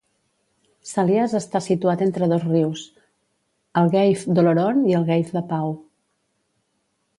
Salias està situat entre dos rius, el Gave d'Oloron i el Gave de Pau.